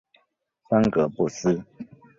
桑格布斯。